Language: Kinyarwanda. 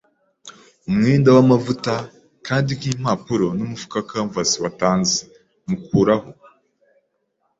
umwenda wamavuta, kandi usa nkimpapuro, numufuka wa canvas watanze, mukoraho ,.